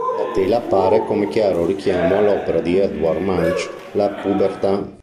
La tela appare come chiaro richiamo all'opera di Edvard Munch "La pubertà".